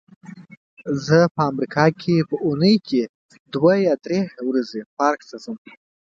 زه په امریکا کې په اوونۍ کې دوه یا درې ورځې پارک ته ځم.